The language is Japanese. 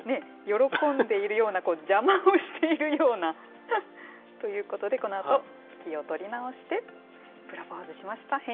喜んでいるような、邪魔をしているような。ということで、このあと気を取り直してプロポーズしました。